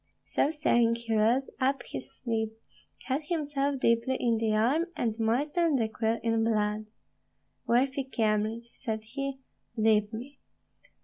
So saying, he rolled up his sleeve, cut himself deeply in the arm, and moistened the quill in blood. "Worthy Kyemlich," said he, "leave me."